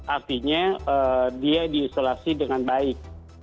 artinya dia diisolasi dengan baik